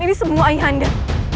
ini semua ayah anda